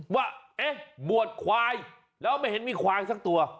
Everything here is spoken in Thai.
ว่าเอ๊ะหมวดควายแล้วไม่เห็นมีควายสักตัว